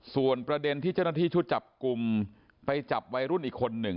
ส่วนประเด็นที่เจ้าหน้าที่ชุดจับกลุ่มไปจับวัยรุ่นอีกคนหนึ่ง